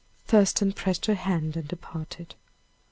Thurston pressed her hand and departed.